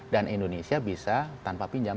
dan indonesia bisa tanpa pinjam